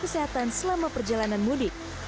kesehatan selama perjalanan mudik